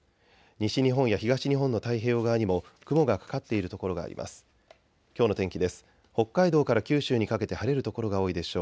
西日本や東日本の太平洋側にも雲がかかっている所があります。